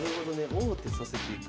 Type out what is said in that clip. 王手させていく。